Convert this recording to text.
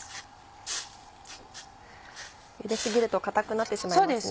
ゆですぎると硬くなってしまいますね。